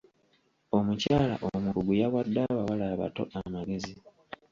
Omukyala omukugu yawadde abawala abato amagezi.